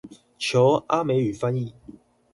求阿美語翻譯